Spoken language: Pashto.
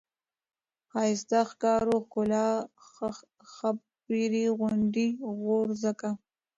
ښايسته ، ښارو ، ښکلا ، ښاپيرۍ ، غونډۍ ، غورځکه ،